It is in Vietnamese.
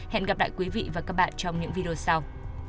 hẹn gặp lại quý vị và các bạn trong những video sau